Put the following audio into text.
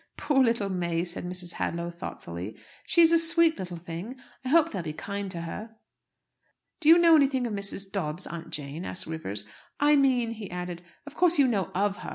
"Poor little May!" said Mrs. Hadlow, thoughtfully. "She's a sweet little thing. I hope they'll be kind to her." "Do you know anything of Mrs. Dobbs, Aunt Jane?" asked Rivers. "I mean," he added, "of course, you know of her.